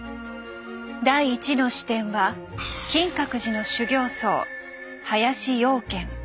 第１の視点は金閣寺の修行僧林養賢。